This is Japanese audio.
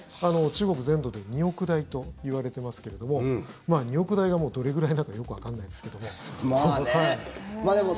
中国全土で２億台といわれてますけれども２億台がどれくらいだかよくわからないですけども。